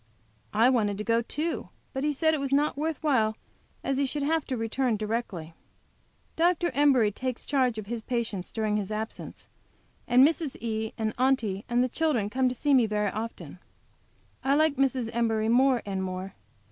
I wanted to go too, but he said it was not worth while, as he should have to return directly. Dr. Embury takes charge of his patients during his absence, and Mrs. E. and Aunty and the children come to see me very often. I like Mrs. Embury more and more.